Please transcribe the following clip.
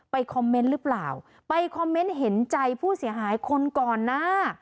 คอมเมนต์หรือเปล่าไปคอมเมนต์เห็นใจผู้เสียหายคนก่อนหน้า